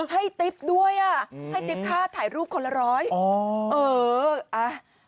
ติ๊บด้วยอ่ะให้ติ๊บค่าถ่ายรูปคนละร้อยอ๋อเอออ่ะ